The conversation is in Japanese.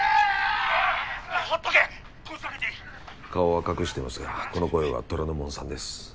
顔は隠してますがこの声は虎ノ門さんです。